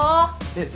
先生。